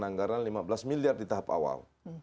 anggaran lima belas miliar di tahap awal